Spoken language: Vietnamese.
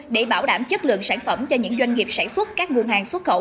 để bảo đảm chất lượng sản phẩm cho những doanh nghiệp sản xuất các nguồn hàng xuất khẩu